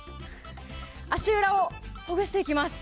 足裏をほぐしていきます。